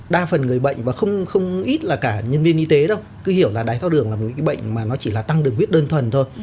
đa phần người bệnh và không ít là cả nhân viên y tế đâu cứ hiểu là đái tháo đường là một cái bệnh mà nó chỉ là tăng đường huyết đơn thuần thôi